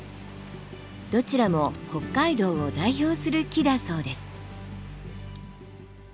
どちらも北海道を代表する木だそうです。